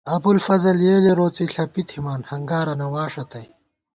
ابُوالفضل یېلے روڅے، ݪَپی تھِمان، ہنگارَنہ واݭہ تئ